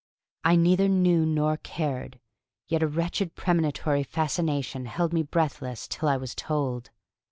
I neither knew nor cared: yet a wretched premonitory fascination held me breathless till I was told.